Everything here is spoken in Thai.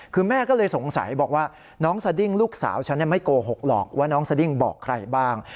คือแม่ก็เลยสงสัยบอกว่าน้องสดิ้งลูกสาวฉันไม่โกหกหรอกว่าน้องสดิ้งบอกใครบ้าง